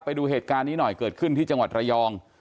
ไปดูเหตุการณ์นี้หน่อยเกิดขึ้นที่จังหวัดระยอง